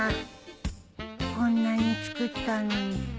こんなに作ったのに。